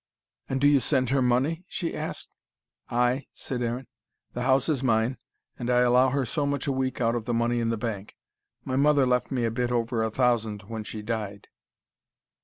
"And do you send her money?" she asked. "Ay," said Aaron. "The house is mine. And I allow her so much a week out of the money in the bank. My mother left me a bit over a thousand when she died."